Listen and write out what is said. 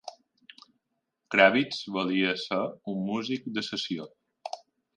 Kravitz volia ser un músic de sessió.